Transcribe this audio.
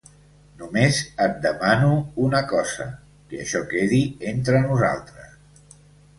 Només et demano una cosa, que això quedi entre nosaltres.